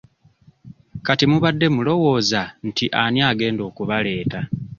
Kati mubadde mulowooza nti ani agenda okubaleeta?